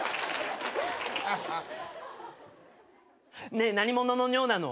ねえ何者の尿なの？